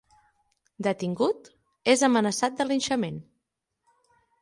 Detingut, és amenaçat de linxament.